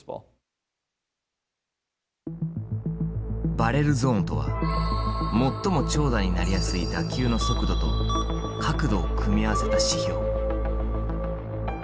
バレルゾーンとは最も長打になりやすい打球の速度と角度を組み合わせた指標。